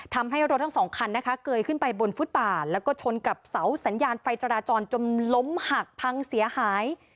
ทำให้รถทั้งสองคันนะคะเกยขึ้นไปบนฟุตป่าแล้วก็ชนกับเสาสัญญาณไฟจราจรจนล้มหักพังเสียหาย